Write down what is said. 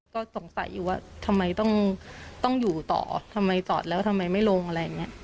ก็สงสัยอยู่ว่าทำไมต้องต้องอยู่ต่อทำไมจอดแล้วทำไมไม่ลงอะไรอย่างเงี้ย